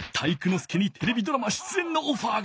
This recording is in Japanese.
介にテレビドラマ出えんのオファーが！